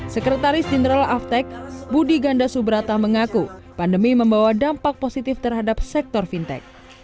sekretaris jenderal aftec budi ganda subrata mengaku pandemi membawa dampak positif terhadap sektor fintech